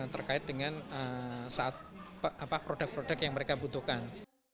terkait dengan produk produk yang mereka butuhkan